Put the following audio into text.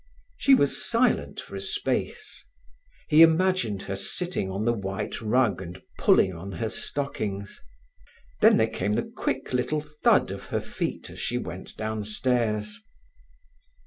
She was silent for a space. He imagined her sitting on the white rug and pulling on her stockings. Then there came the quick little thud of her feet as she went downstairs.